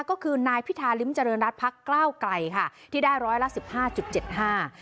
ก็คือนายพิธาริมเจริญรัฐพักก้าวไกลค่ะที่ได้ร้อยละสิบห้าจุดเจ็ดห้า